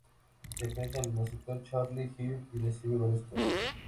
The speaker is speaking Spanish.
Interpreta el musical "Charlie girl" y recibe varios premios.